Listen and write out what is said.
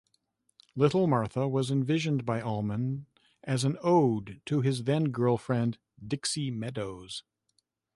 Little Martha was envisioned by Allman as an ode to his then-girlfriend Dixie Meadows.